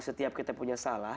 setiap kita punya salah